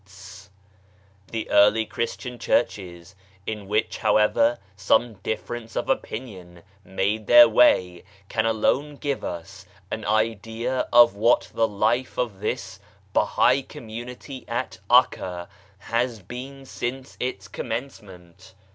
88 BAHAISM The early Christian churches, in which however some difference of opinion made their way, can alone give us an idea of what the life of this Bahai community at 'Akka has been since its commencement.